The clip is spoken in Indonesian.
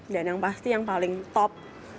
dan yang pasti yang paling top